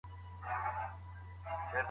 د تاريخ فلسفه څه سي مطالعه کوي؟